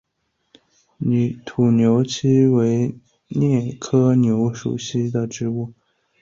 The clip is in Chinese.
土牛膝为苋科牛膝属的植物。